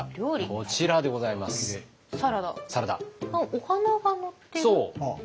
お花が載ってる？